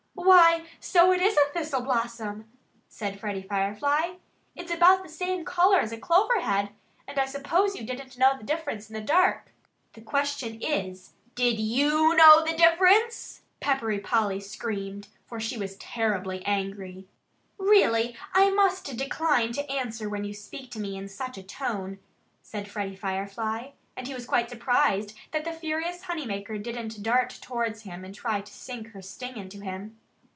"Why, so it is a thistle blossom!" said Freddie Firefly. "It's about the same color as a clover head; and I suppose you didn't know the difference in the dark." "The question is, did YOU know the difference?" Peppery Polly screamed for she was terribly angry. "Really, I must decline to answer when you speak to me in such a tone," said Freddie Firefly. And he was quite surprised that the furious honey maker didn't dart towards him and try to sink her sting into him.